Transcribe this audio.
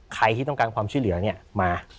ใครที่ต้องการความช่วยเหลือเนี่ยมา